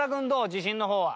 自信の方は。